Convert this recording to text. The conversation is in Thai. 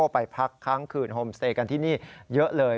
ไปพักค้างคืนโฮมสเตย์กันที่นี่เยอะเลย